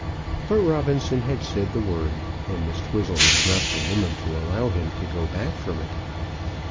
But Robinson had said the word, and Miss Twizzle was not the woman to allow him to go back from it.